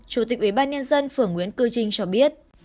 chủ tịch ủy ban nhân dân phường nguyễn cư trinh cho biết